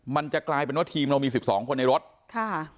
มันจะกลายเป็นว่าทีมเรามี๑๒คนในรถ